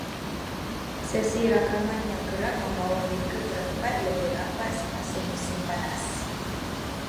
Sesi rakaman yang kerap membawa mereka berempat lebih rapat semasa musim panas